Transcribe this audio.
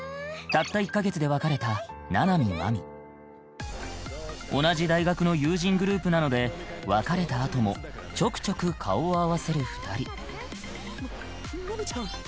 たった１か月で別れた同じ大学の友人グループなので別れたあともちょくちょく顔を合わせる２人ママミちゃん！